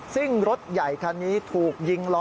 ซึ่งรถใหญ่คันนี้ถูกยิงล้อ